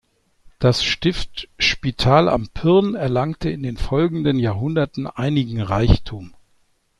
Das Stift Spital am Pyhrn erlangte in den folgenden Jahrhunderten einigen Reichtum.